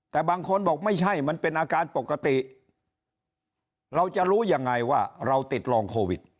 แต่บางคนบอกไม่ใช่มันเป็นอาการปกติเราจะรู้ยังไงว่าเราติดรองโควิด